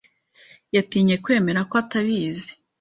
Yatinye kwemera ko atabizi.